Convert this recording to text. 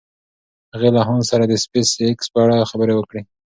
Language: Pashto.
هغې له هانس سره د سپېساېکس په اړه خبرې وکړې.